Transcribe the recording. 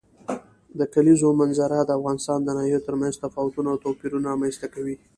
د کلیزو منظره د افغانستان د ناحیو ترمنځ تفاوتونه او توپیرونه رامنځ ته کوي.